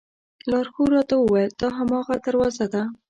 لارښود راته وویل دا هماغه دروازه ده.